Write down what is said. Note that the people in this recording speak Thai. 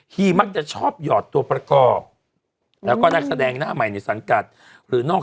ฮีมักจะชอบหยอดตัวประกอบ